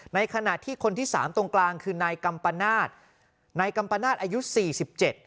ในขณะที่คนที่สามตรงกลางคือนายกัมปนาศนายกัมปนาศอายุสี่สิบเจ็ด